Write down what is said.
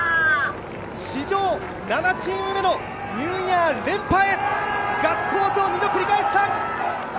史上７チーム目のニューイヤー連覇へガッツポーズを２度繰り返した。